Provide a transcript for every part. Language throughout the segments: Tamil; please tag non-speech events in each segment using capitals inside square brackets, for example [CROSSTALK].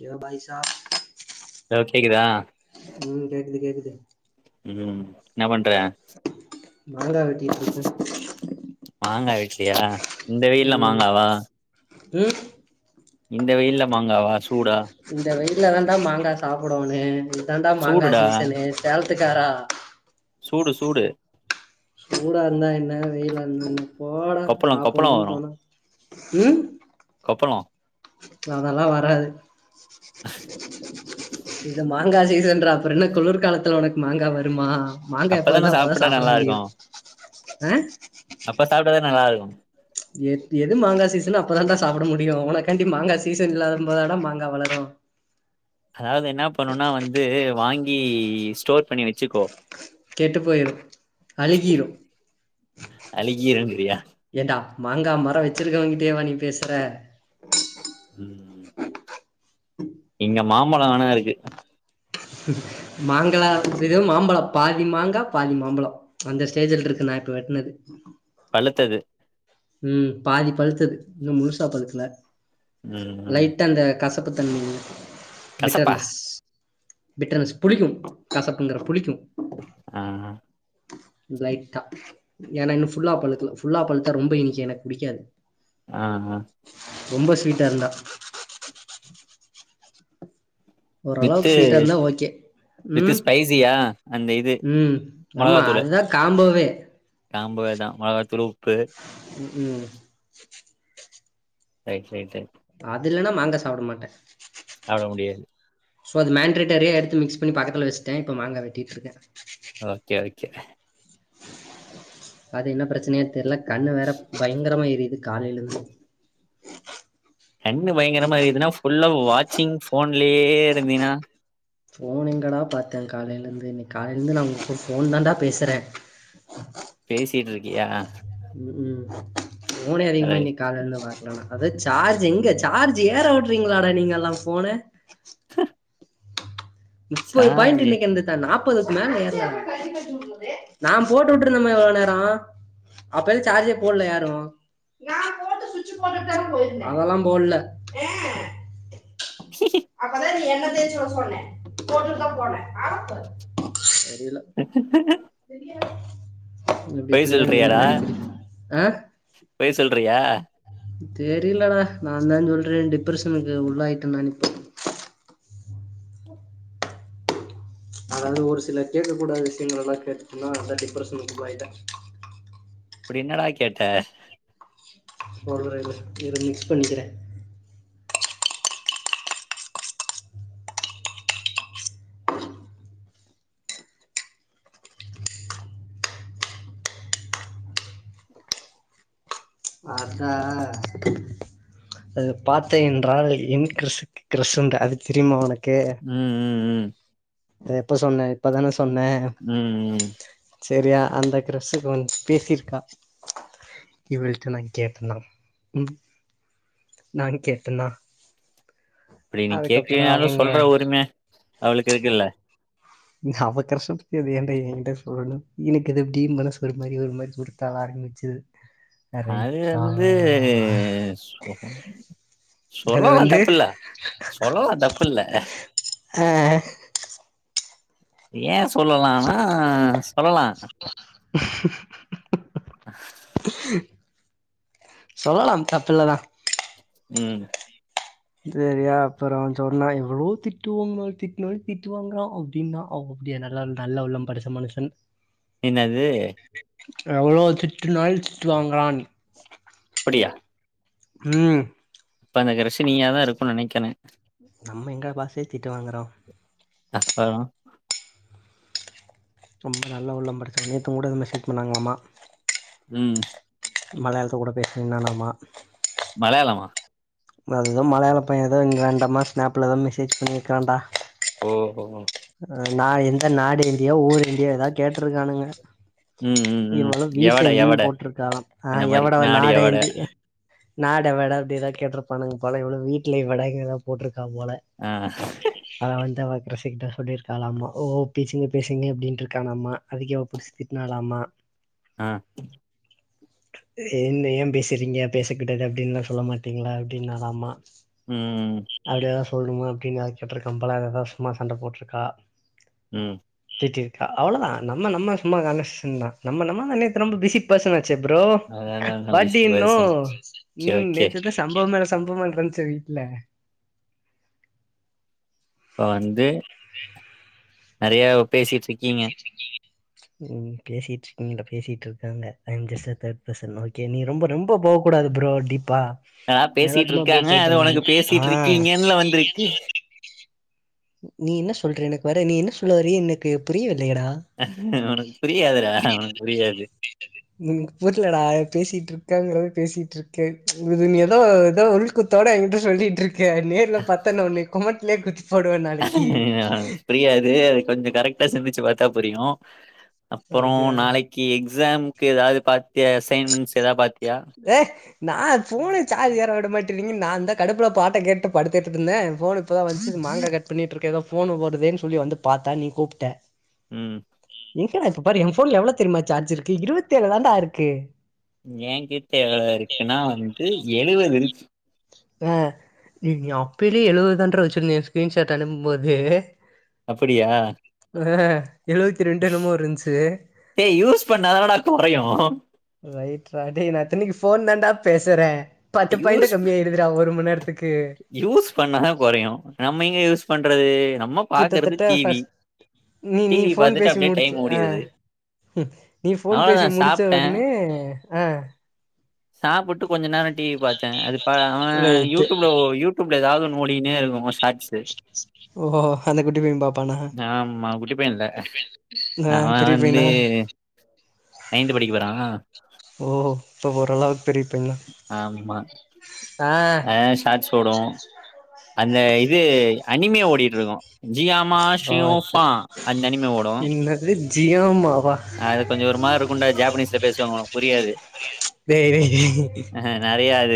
கேவ் பாய் சாப் ஹலோ கேக்குதா ம் கேக்குது கேக்குது ம் என்ன பண்ற மாங்கா வெட்டிட்டுருக்கே அப்டியா இந்த வெயில்ல மாங்காவா ம் இந்த வெயில்ல மாங்காவா சூடா இந்த வெயில்ல தாண்டா மாங்கா சாப்டோனு இதுதாண்டா மாங்கா சூடுடா சீசனு சேல ஒத்துக்காடா சூடு சூடு சூடா இருந்தா என்ன வெயிலா இருந்தா என்ன போடா கொப்பளோ கொப்பளோ சாப்டணுன்னு வரு தோனா ம் கொப்பளோ அதெல்லா வராது இது மாங்கா சீசன்றா அப்பறோ என்ன குளிர்காலத்துல ஒனக்கு மாங்கா வருமா மாங்கா எப்ப வருதோ அப்பதான அப்பதா சாப்ட்டா சாப்ட நல்லா முடியு இருக்கு ஆ அப்ப சாப்ட்டா தா நல்லாருக்கு எ எது மாங்கா சீசனோ அப்பதான்டா சாப்ட முடியு ஒனக்காண்டி மாங்கா சீசன் இல்லாத போதடா மாங்கா வளரு அதாவது இன்னா பண்ணுன்னா வந்து வாங்கி ஸ்டோர் பண்ணி வச்சுக்கோ கெட்டு போயிரு அழுகிரு அழுகிருங்கிறியா ஏன்டா மாங்கா மரோ வச்சிருக்கவங்கிட்டயே வா நீ பேசுற ம் இங்க மாம்பழோ வேணா இருக்கு மாங்கா இது மாம்பழம் பாதி மாங்கா பாதி மாம்பழோ அந்த ஸ்டேஜ்லருக்கு நா இப்ப வெட்னது பழுத்தது ம் பாதி பழுத்தது இன்னு முழுசா பழுக்கல ம் ம் லைட்டா அந்த கசப்பு தன்ம இருக்கு கசப்பா பிட்டர்னஸ் பிட்டர்ன்ஸ் புளிக்கு கசப்புங்கற புளிக்கு ஆ லைட்டா ஏனா இன்னு ஃபுல்லா பழுக்கல ஃபுல்லா பழுத்தா ரொம்ப இனிக் எனக்கு புடிக்காது ஆ ஆ ரொம்ப ஸ்வீட்டா இருந்தா வித்து ஒரளவுக்கு ஸ்வீட்டாருந்தா ஓகே வித்து ம் ஸ்பைசியா அந்த இது ம் ஆமா அதுதா காம்பவே காம்பவேதா மொளகா தூளு உப்பு ம் ரைட்டு ரைட்டு அது இல்லனா மாங்கா சாப்ட மாட்டே சாப்ட முடியாது சோ அது மேன்ரட்டரியா எடுத்து மிக்ஸ் பண்ணி பக்கத்துல வச்ட்டே இப்ப மாங்கா வெட்டிட்ருக்கே [INAUDIBLE] அது என்ன பிரச்சனையா தெர்ல கண்ணு வேற பயங்கரமா எரிது காலைலந்து கண்ணு பயங்கரமா எரிதுன்னா ஃபுல்லா வாச்சிங் ஃபோன்லே இருந்தினா ஃபோன் எங்கடா பாத்தே காலைலேந்து இன் காலைலந்து நா உங் கூட ஃபோன் தான்டா பேசறே பேசிட்ருக்கியா ம் ஃபோனே அதிகமா இன்னைக்கு காலைலந்து பாக்ல நா அத சார்ஜ் எங்க சார்ஜ் ஏற விட்றீங்களாடா நீங்கல்லா ஃபோன [INAUDIBLE] முப்பது பாயிண்ட் சார்ஜ் இன்னைக்கு இருந்துட்டா நாப்பதுக்கு மேல ஏர்லடா நான் போட்டு விட்டு இருந்தேம்ம இவ்ளோ நேரம் அப்ப எது சார்ஜே போடல யாரு அதெல்லாம் போடல அப்பதான் நீ எண்ண தேச்சு விட சொன்ன போட்டுட்டு தான் போனே ஆள பாரு அப்டி பொய் இப்டிதா எங்க சொல்றியாடா வீட்ல அடிக்கடி ஆ பொய் சொல்றியா தெரிலடா நாந்தா சொல்றே டிப்ரஷனுக்கு உள்ளா யிட்டனானு ம், அது ஒரு சில கேக்க கூடாத விஷ்யங்களல்லா கேட்டுட்டனா அதா டிப்ரஷனுக்கு போயிட்டே அப்டி என்னடா கேட்ட சொல்றே இரு இத மிக்ஸ் பண்ணிக்குறே அதா அது பாத்து என் [UNINTELLIGIBLE] என் க்ரஷ் க்ரஷூண்டு அது தெரிமா உனக் ம் ம் ம் அத எப்ப சொன்னே இப்பதான ம் ம் செரியா அந்த க்ரஸுக்கு ஒன்ஸ் பேசிருக்கா இவளுக்கு நாங் கேட்டனா ம் நானு கேட்டனா இப்படி நீங் அதுக்கப்புற கேக்குனாலு அவங்க சொல்ற உரிம அவளுக்கு இருக்குல்ல அவ க்ரஷ்ஷ பத்தி அது ஏண்டா ஏங்கிட்ட சொல்லணு எனக்கது எப்டி மனசு ஒரு மாரி ஒரு மாரி உருத்தாலா ரு மிச்சது அது வந்து சொன் அது சொல்லலா வந்து தப்பில்ல சொல்லலா தப்பில்ல அ ஏ சொல்லலானா சொல்லலா ஆஹ சொல்லலாம் தப்பில்லதா ம் செரியா அப்புறோ சொன்னா எவ்வளோ திட்டு வாங்னாலு‌ திட்னாலு திட்டு வாங்கறா அப்டின்னா அவோ அப்டியா நல்லா உள் நல்ல உள்ளம் படச்ச மனுஷன் என்னது எவ்வளோ திட்டுனாலு திட்டு வாங்கறான் யா ம் கென நம்ம எங்க பாசே திட்டு வாங்குறோ அப்பறோ ரொம்ப நல்லா உள்ளம் படிச்சவ நேத்துங் கூட எதோ மெசேஜ் பண்ணாங்கலாமா ம் மலையாள்த்து கூட பேசிந்தானாமா மலயாளமா அதுதா மலையாள பையன்தா இங் ராண்டம்மா ஸ்னாப்லதா மெசேஜ் பண்ணிருக்கான்டா ஓ ஓ நா எந்த நாடு இந்தியா ஊரு இந்தியா எதாவ் கேட்டுருக்கானுங்க ம் ம் ம் எவளோ எவட எவட வீக்கேந்தின் போட்ருக்காளா ஆ அந்த மாரி எவடா அவ நாடு எவட நாடேந்தி நாட் எவட அப்டிதா கேட்ருப்பானுங் போல இவுலு வீட்லே வடகல்லா போட்ருக் கா போல ஆ அத வந்து அவ க்ரஷ்ஷு கிட்ட சொல்லிருக்காலாமா ஒ ஒ பேசுங்க பேசுங்க அப்டின்ட்டுருக்கானாமா அதுக்க இவ புடிச்சி திட்னாலாமா ஆ என்ன ஏ பேசுறீங்க பேசகூடாது அப்டின்ல்லா சொல்ல மாட்டீங்ளா அப்டின்னாளாமா ம் சொல்ணுமா அப்டினு அவ கேட்ருக்காம்போல எதோ சும்மா சண்ட போட்ருக்கா ம் ஏத்தி விட்டா அவ்ளதா நம்ம நம்ம சும்மா கலஷன் தா நம்ம நம்ம நேத்து நம்ப பிஸி பர்சனா ச்சே ப்ரோ அதான் what do you know okay ம் ஓகே நேத்துநா சம்பவம் மேல சம்பவ்மா நடந்துச்சு வீட்ல இப்ப வந்து நெறைய பேசிட்ருக்கீங்க ம் பேசிட்ருக்கீங்கில்ல பேசிட்ருக்காங்க I'm just uh that person okay நீ ரொம்ப ரொம் போ போக் கூடது ப்ரோ டீப்பா ஆனா [UNINTELLIGIBLE] பேசிட்டு இருக்காங்க அது உனக்கு பேசிட்டு அ இருக்கீங்கன்ல வந்திருக்கு நீ என்ன சொல்ற எனக்கு வர நீ என்ன சொல்லுவர எனக்கு புரிய உனக் ம் புரிலடா பேசிட்ரு க்காங்கிறத பேசிட்ருக்க நீ எதோ எதோ உள்குத்தோட எங்கிட்ட சொல்லிட்ரு அ நேர்ல பாத்தே நா ஒன்ன கொமட்லே குத்து பிரியாரு கொஞ்ச கரெக்ட்டா சந்திச்சு பாத்தா புரியு அப்பறோ அப்படியா நாளைக்கு எக் எக்ஸாம்கக்கு ஏதாவது பாத்தியா அசைன்மெண்ட்ஸ் எதாது பாத் ஏ நா போனே சார்ஜ் ஏற விட மாட் எட்டு ரிங் நாந்தா கடுப்புல பாட்ட கேட்டு படுத்துட்ருந்தே போன் இப்பதா வந்துச்சு மாங்கா கட் பண்ணிட்ருக்கே எதோ போன் வருதே டன் சொல்லி வந்து பாத்தா நீ கூப்ட்ட ம் எங்கடா இப்ப பாரு ஏ ஃபோன்ல எவ்ளோ தெரியுமா சார்ஜ் இருக்கு இருவத்தேழு தான்டா இருக்கு ஏங்கிட்ட எவ்ளோ இருக்குன்னா வந்து எழுவதுருக்கு ஆ நீ அப்பிலயே எழுவது தாண்டற வச்சிருந்த ஏ ஸ்கிரீன்ஷாட் அனுப்பும்போது அப்படியா எழுவத்தி ரெண்டு என்னமோ இருன்ச்சு ஏய் யூஸ் பண்ணாதானடா கொறையு. ரைட் ரா டேய் நா இத்தன்னைக்கு போ தண்டா பேசறே பத்து பாயிண்ட்டு யூஸ் கம்மியாயிடுதுடா ஒரு மண்நேரத் யூஸ் பண்ணாதா கொறயும நம்ம எங்க யூஸ் பண்றது நம்ம பாக்குறது கிட்டத்தட்ட டி வி ஃபர்ஸ்ட் நீ டி நீ வி ஃபோன் பாத்தட்டு பேசி அப்டியே முடிச்ச டைம் ஆ ஓடிது நீ போன் பேசி முடிச்ச ஒன்னே அ சாப்புட்டு கொஞ்ச நேர டி வி பாத்தே அது பா அவ ரைட்டு. யூடியூப்ல ஒ யூடியூப்ல ஏதாவது ஒன்னு ஓடினே இருக்கு வர்ஸ் ஓ அந்த குட்டி பைய பாப் ஆமா குட்டிபயன்ல ஆ அவ பெரிய வந்து பையனா? நயன்து படிக்க போறாங்க ஓ இப்போ ஓரளவு ஆம்மா ஆ சாட்ஸ் ஓடு அந்த இது அனிமியா ஓடிட்டுருக்கு ஜியாமா ஓ ஷூஃபா அந்த அனிமி ஓடு ஜியாமா அது கொஞ்சோ ஒரு மாரி இருக்கும்ண்டா ஜாப்பனீஸ்ல பேசுவாங்க ஒனக்கு புரியாது டேய் டேய் டேய் கெடையாது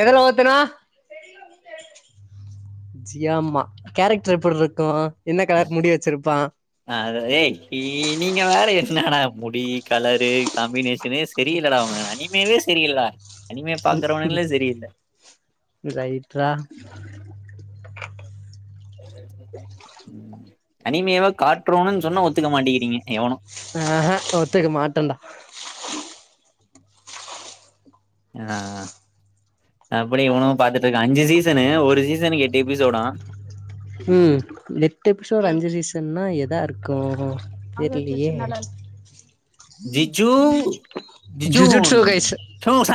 எதல ஒத்தனா ஜியாமா கேரக்டர் எப்புட்ருக்கூ அ அது ஏ நீ நீங்க வேற என்னடா முடி கலரு காம்பினேஷனே சரியில்லடா அவ அனிமேவே சரியில்லடா அனிமே பாக்குறவனுங்களே சரியில்ல ரைட் ரா [INAUDIBLE] அனிமையாவ கார்ட்ரூன்னுன்னு சொன்னா ஒத்துக்க மாட்டேங்கறீங்க எவனு ஆ ஒத்துக்க மாட்டண்டா ஆ அப்படியே இவனனு பா த்துட்டு இருக்கா அஞ்சு சீசனு ஒரு சீசனு கேட்டி எபிசோடா ம் எட்டு எபிசோடு அஞ்சு சீசன்னா எதாருக்கு தெரிலயே ஜிஜ்ஜூ ஜிஜூட்சொ கைஸ்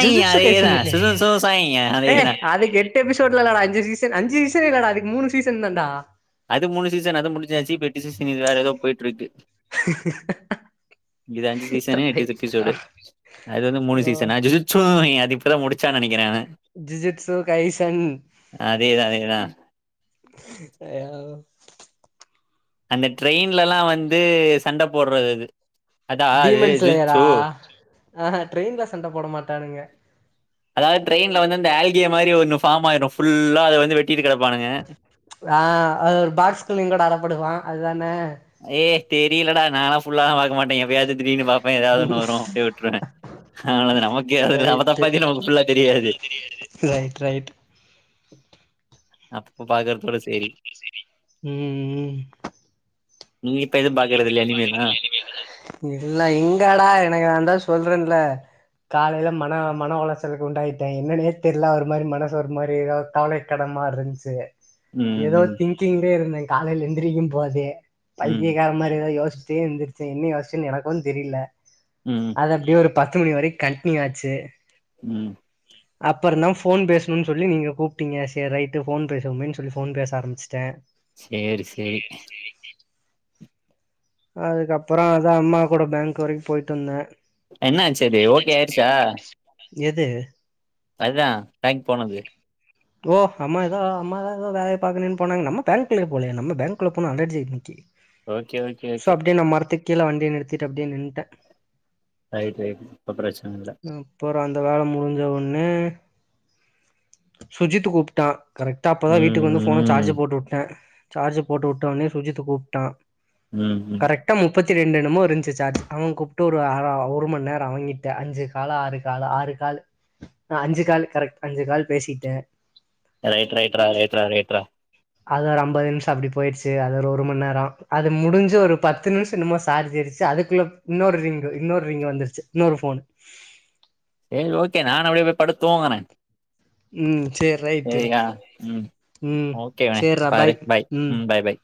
ஜீஜிட்ஸோ அதேதா கைஸ்ன்னுட்டு சுசு சோ சாய் ஏய் அதேதா அதுக்கு எட்டு எபிசோட்லா இல்லடா அஞ்சு சீசன் அஞ்சு த்தே இல்லடா அதுக்கு மூணு சீசன் தாண்டா கிஸு சீனு வேற எதோ போயிட்டுருக்கு இது அஞ்சு சீசனு எட்டு ரைட்ரா எபிசோடு அது வந்து மூணு ஓ சீசனா ஜூஜூட்ஸு அது எப் இப்பதா முடிச்சானு நெனைக்கறே நானு ஜூஜூட்சோ கைசன் அதேதா அதேதா அயோ அந்த ட்ரெயின்லலா வந்து சண்ட போட்றதது டீமன்ஸ்லேயரா ஆஹ ட்ரெயின்ல சண்ட போட மாட்டானுங்க அதாவது ட்ரெயின்ல வந்து இந்த ஆல்கே மாரி ஒன்னு ஃபார்ம் ஆயிரும் ஃபுல்லா அத வந்து வெட் ஆ அது ஒரு பாக்ஸ்குள்ளயு கூட அகப்படுவா அதுதானே ஏய் தெரியலடா நாலா ஃபுல்லாலா பாக்க மாட்டே எப்பயாவது திடீர்னு பாப்பே ஏதாவது ஒன்னு வரும் அப்டியே விட்ருவே அவ்ளோதா நமக்கே அது நாம ரைட்டு தப்பாத்தி நமக்கு ஃபுல்லா தெரியாது ரைட் அப்ப பாக்கறது ம் ம் நீப் இல்ல இங்கடா எனக்கு வந்தா சொல்றேன் இல்ல காலயில மன மனவுளச்சலுக்கு உண்டாயிட்டே என்னன்னே தெர்ல ஒரு மாரி மனசு ஒரு மாரி ஏதோ கவலை கனமா இருந்துச்சி ம் ஏதோ ம் திங்கிங்லே இருந்தே காலையில எந்திரிக்கும் போதே ம் இது மாதிரி யோசிச்சிட்டு எந்திரிச்சே என்ன யோசிச்சே எனக்கும் தெரியல ம் அது அப்டியே ஒரு பத்து மணி வரைக்கு கண்டினியூ ஆச்சு ம் அப்புறந்தா போன் பேசணும்னு சொல்லி நீங்க கூப்பிட்டீங்க சரி ரைட்டு போன் பேசுவமேன்னு சொல்லி போன் பேச ஆரம்பிச்சுட்டேன் சேரி சேரி அதுக்கப்புற அதா அம்மா கூட பேங்க் வரைக்கு போய்ட்டு வந்தே என்னாச்சு அது ஓகே ஆயிருச்சா எது அதா பேங்க் போனது போ அம்மா தா அம்மாதா ஏதோ வேலைய பாக்கன்னு போனாங்க நம்ம பேங்குள்ளயே போகலையே நம்ம பேங்குள்ள போனா அல்ர்ஜி ஓகே ஓகே ஓகே கீழ வண்டி நிறுத்திட்டு அப்டியே நின்டே ரைட் ரைட் இப்ப பிரச்சன இல்ல அப்புற அந்த வேல முடிஞ்ச உடனே சுஜித் கூப்ட்டா கரெக்ட்டா அப்பதா வீட்டுக்கு வந்து போன சார்ஜ் ம் போட்டு விட்டே சார்ஜ் போட்டு வுட்டோனே சுஜித்து கூப்ட்டா ம்ம் கரெக்டா முப்பத்தி ரெண்டு என்னமோ இருந்ச்சு சார்ஜ அவன் கூப்பிட்டு ஒரு ஒரு மண்நேர அவங்கிட்ட அஞ்சு காலு ஆறு காலு ஆறு காலு அஞ்சு கால் கரெக்ட் அஞ்சு கால் பேசிட்டே ரைட் ரைட் ரைட்ரா ரைட்ரா அது ஒரு அம்பது நிமிஷ அப்டி போயிடுச்சி அது ஒரு ஒருமண்நேர அது முடிஞ்சு ஒரு பத்து நிமிஷ என்னமோ சார்ஜ் ஏறுச்சி அதுக்குள்ள இன்னொரு ரிங்கு இன்னொரு ரிங்க வந்துருச்சு இன்னொரு ஃபோன் சரி ஓகே நானு அப்டியே போய் படுத்து தூங்குறே ம் சேரி ரைட்டு சரியா ம் ஓகே வெ பாரு பாய் ம் பாய் பாய்